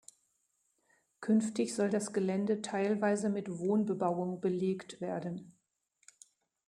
Künftig soll das Gelände teilweise mit Wohnbebauung belegt werden.